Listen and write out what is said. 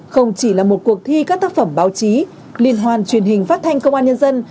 không chỉ là một cuộc thi các tác phẩm báo chí liên hoàn truyền hình phát thanh công an nhân dân